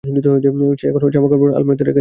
সে এখনো তার জামাকাপড় আলমারিতে রেখে দিয়েছে।